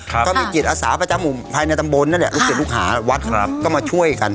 ก็มีจิตอสาประจำอุมภายในตำบลนั่นแหละลูกสาปลูกหาวัดก็มาช่วยกัน